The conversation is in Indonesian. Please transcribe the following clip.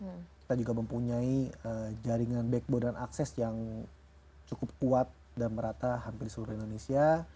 kita juga mempunyai jaringan backbone dan akses yang cukup kuat dan merata hampir di seluruh indonesia